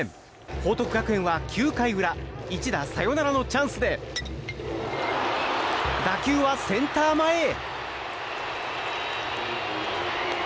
報徳学園は９回裏一打サヨナラのチャンスで打球はセンター前へ。